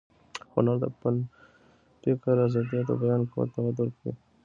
هنر د فکر ازادي او د بیان قوت ته وده ورکوي.